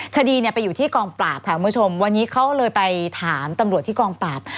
คดีเนี่ยไปอยู่ที่กองปราบค่ะคุณผู้ชมวันนี้เขาเลยไปถามตำรวจที่กองปราบ